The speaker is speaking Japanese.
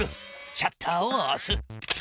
シャッターをおす。